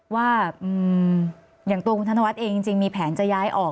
ว่าอย่างตัวคุณธนวัฒน์เองจริงมีแผนจะย้ายออก